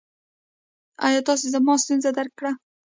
ایا تاسو زما ستونزه درک کړه؟